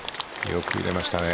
よく入れましたね。